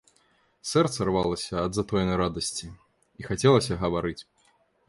Сэрца рвалася ад затоенай радасці, і хацелася гаварыць.